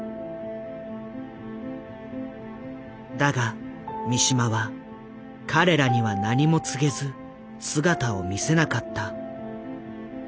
だが三島は彼らには何も告げず姿を見せなかった。